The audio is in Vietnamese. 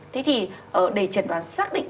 thế thì để trần đoán xác định